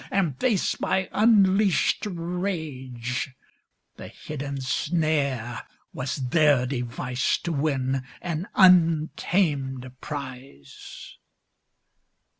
And face my unleashed rage ! The hidden snare Was their device to win an untamed prize.